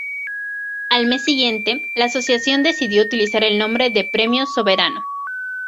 Al mes siguiente, la asociación decidió utilizar el nombre de "Premios Soberano".